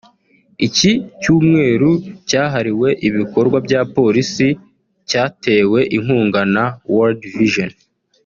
Iki cyumweru cyahariwe ibikorwa bya Polisi cyatewe inkunga na World Vision